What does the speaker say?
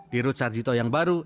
dirut sarjito yang baru